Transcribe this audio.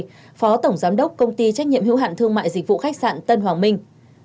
phó tổng giám đốc công ty trách nhiệm hữu hạn thương mại dịch vụ khách sạn tân hoàng minh